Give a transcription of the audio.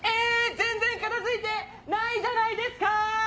全然片付いてないじゃないですか！